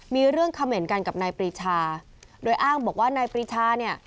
มีเรื่องเขม่นกันกับนายปรีชาโดยอ้างบอกว่านายปรีชาเนี่ย